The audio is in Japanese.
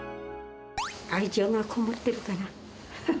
愛情が込もってるかな。